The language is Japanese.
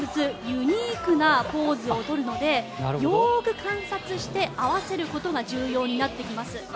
ユニークなポーズを取るのでよく観察して合わせることが重要になってきます。